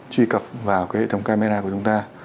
truy cập vào cái hệ thống camera của chúng ta